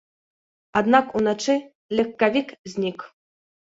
Аднак уначы легкавік знік.